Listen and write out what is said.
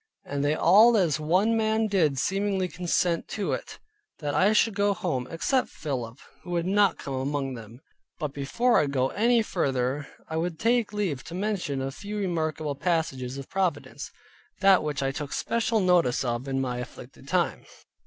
And they all as one man did seemingly consent to it, that I should go home; except Philip, who would not come among them. But before I go any further, I would take leave to mention a few remarkable passages of providence, which I took special notice of in my afflicted time.